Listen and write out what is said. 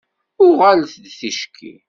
Uɣal-d ticki.